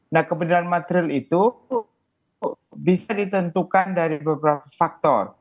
nah kebenaran material itu bisa ditentukan dari beberapa faktor